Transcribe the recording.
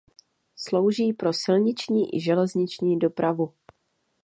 Slouží pro silniční i železniční dopravu.